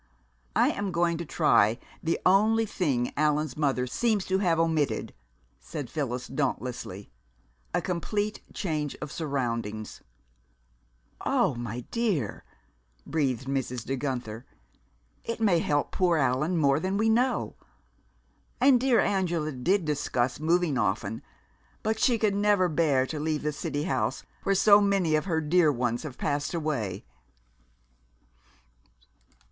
"I am going to try the only thing Allan's mother seems to have omitted," said Phyllis dauntlessly. "A complete change of surroundings." "Oh, my dear!" breathed Mrs. De Guenther. "It may help poor Allan more than we know! And dear Angela did discuss moving often, but she could never bear to leave the city house, where so many of her dear ones have passed away."